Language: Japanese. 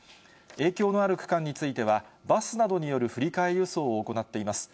影響のある区間については、バスなどによる振り替え輸送を行っています。